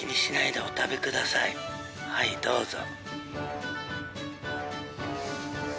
はいどうぞ。